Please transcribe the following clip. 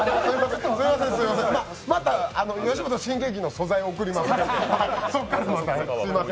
すいません、また吉本新喜劇の素材を送りますので。